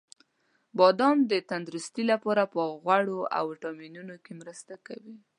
• بادام د تندرستۍ لپاره په غوړو او ویټامینونو کې مرسته کوي.